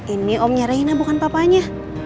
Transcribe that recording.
ini omnya raina bukan papanya